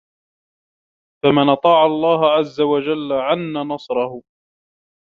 فَمَنْ أَطَاعَ اللَّهَ عَزَّ وَجَلَّ عَنَّ نَصْرُهُ